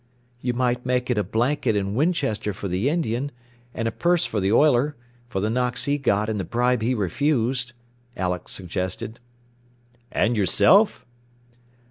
"You might make it a blanket and Winchester for the Indian, and a purse for the oiler, for the knocks he got and the bribe he refused," Alex suggested. "And yourself?"